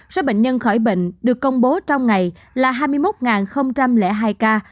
số bệnh nhân khỏi bệnh được công bố trong ngày là hai mươi một hai ca